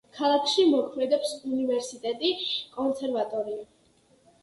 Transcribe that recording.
ქალაქში მოქმედებს უნივერსიტეტი, კონსერვატორია.